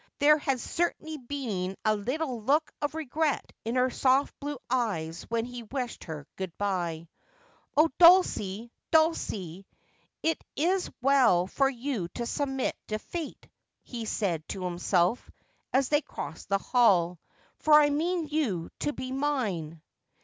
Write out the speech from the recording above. There had certainly been a little look of regret in her soft blue eyes when he wished her good bye. ' Oh, Dulcie, Dulcie, it is well for you to submit to Fate,' he said to himself as they crossed the hall, ' for I mean you to be mine.'